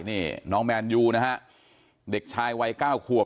นี่น้องแมนยูนะฮะเด็กชายวัย๙ขวบ